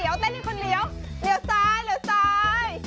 เดี๋ยวเต้นให้คนเหลวเหลวซ้ายเหลวซ้าย